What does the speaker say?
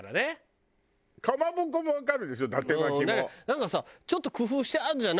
なんかさちょっと工夫してあるじゃん。